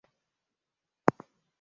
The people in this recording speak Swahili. Sisi tuko hapa mpaka saa nane.